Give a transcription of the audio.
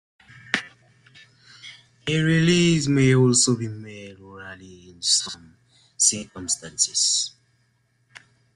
A release may also be made orally in some circumstances.